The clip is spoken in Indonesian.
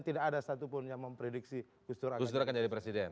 tidak ada satupun yang memprediksi gus dur akan jadi presiden